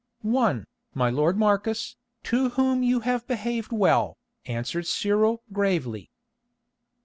"One, my lord Marcus, to whom you have behaved well," answered Cyril gravely.